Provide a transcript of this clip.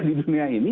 di dunia ini